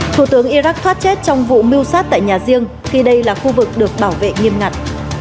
thủ tướng iraq thoát chết trong vụ mưu sát tại nhà riêng khi đây là khu vực được bảo vệ nghiêm ngặt